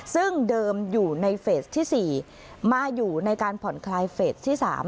ซึ่งเดิมอยู่ในเฟสที่๔มาอยู่ในการผ่อนคลายเฟสที่๓